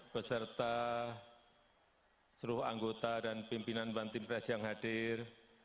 beserta seluruh anggota dan pimpinan wantin press yang hadir